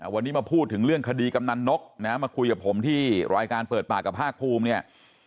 วันนี้มาพูดถึงเรื่องคดีกำนันนกนะมาคุยกับผมที่รายการเปิดปากกับภาคภูมิเนี่ย